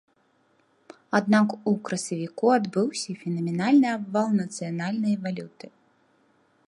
Аднак у красавіку адбыўся фенаменальны абвал нацыянальнай валюты.